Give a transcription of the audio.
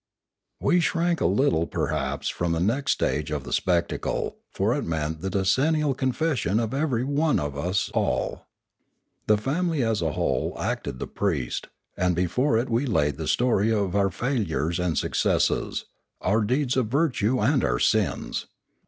We shrank a little perhaps from the next stage of the spectacle, for it meant the decennial confession of every one of us all. The family as a whole acted the priest, and before it we each laid the story of our fail ures and successes, our deeds of virtue and our sins.